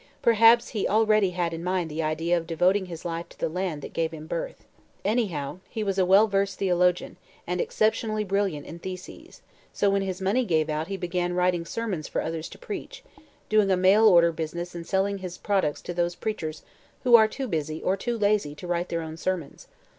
Perhaps he already had in mind the idea of devoting his life to the land that gave him birth. Anyhow, he was a well versed theologian, and exceptionally brilliant in theses, so when his money gave out he began writing sermons for others to preach, doing a mail order business and selling his products to those preachers who are too busy or too lazy to write their own sermons.